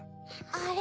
あれ？